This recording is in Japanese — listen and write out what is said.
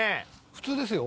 普通ですよ。